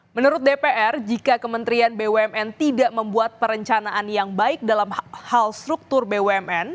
menurut dpr jika kementerian bumn tidak membuat perencanaan yang baik dalam hal struktur bumn